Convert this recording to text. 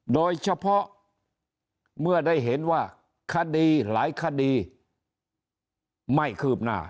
โดยเฉพาะเมื่อได้เห็นว่าคดีหลายคดีไม่คืบหน้า